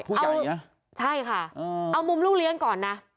ผู้ใหญ่นะใช่ค่ะเอามุมลูกเลี้ยงก่อนนะ